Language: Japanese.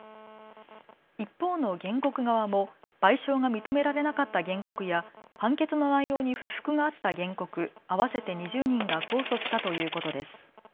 一方の原告側も賠償が認められなかった原告や判決の内容に不服があった原告合わせて２０人が控訴したということです。